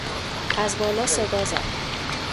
از بالا صدا زد.